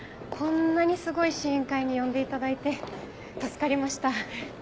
こんなにすごい試飲会に呼んでいただいて助かりました。